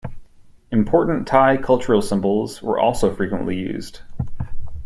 Important Thai cultural symbols were also frequently used.